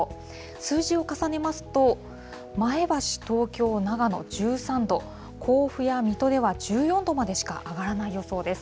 数字を重ねますと、前橋、東京、長野１３度、甲府や水戸では１４度までしか上がらない予想です。